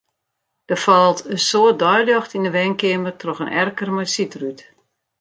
Der falt in soad deiljocht yn 'e wenkeamer troch in erker mei sydrút.